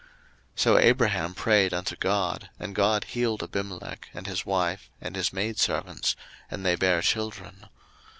01:020:017 So Abraham prayed unto God: and God healed Abimelech, and his wife, and his maidservants; and they bare children.